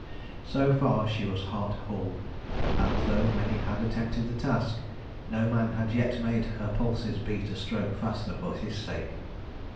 So far she was heart whole, and though many had attempted the task, no man had yet made her pulses beat a stroke faster for his sake.